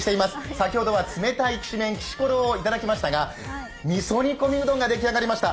先ほどは冷たいきしめん、きしころをいただきましたがみそ煮込みうどんが出来上がりました！